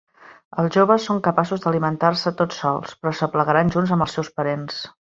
Els joves són capaços d'alimentar-se tot sols, però s'aplegaran junts amb els seus parents.